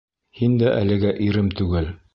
Һин дә әлегә ирем түгел.